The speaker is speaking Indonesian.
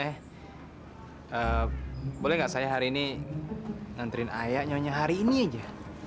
eh boleh gak saya hari ini nganterin ayah nyonya hari ini aja